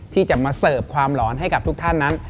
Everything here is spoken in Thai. ที่จะมาเสิร์ฟความหลอนให้กับทุกท่านนั้น